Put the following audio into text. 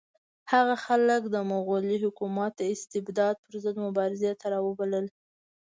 هغه خلک د مغلي حکومت د استبداد پر ضد مبارزې ته راوبلل.